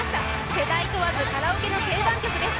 世代問わずカラオケの定番曲です。